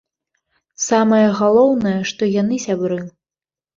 Самае галоўнае, што яны сябры.